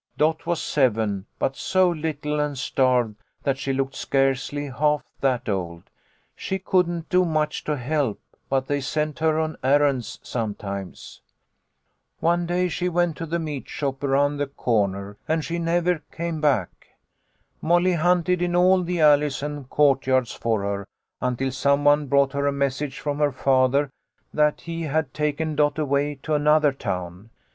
Dot was seven, but so little and starved that she looked scarcely half that old. She couldn't do much to help, but they sent her on errands sometimes. " One day she went to the meat shop around the 86 THE LITTLE COLONEL'S HOLIDAYS. corner, and site never came back. Molly hunted in all the alleys and courtyards for her, until some one brought her a message from her father, that he had taken Dot away to another town.